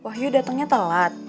wahyu datangnya telat